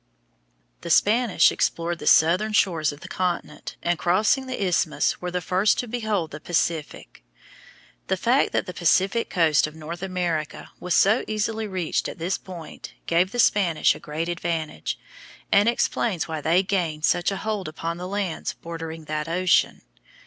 The Spanish explored the southern shores of the continent, and crossing the Isthmus, were the first to behold the Pacific. The fact that the Pacific coast of North America was so easily reached at this point gave the Spanish a great advantage, and explains why they gained such a hold upon the lands bordering that ocean.